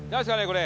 これ。